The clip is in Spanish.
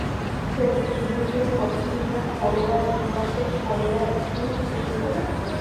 Se distribuyen por China, Corea del Norte, Corea del Sur, y Rusia.